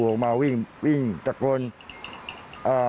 เขาก็กลัวกันออกไว้วิ่งสก่อนอ่า